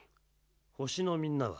ほしのみんなは？